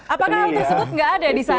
apakah hal tersebut tidak ada di sana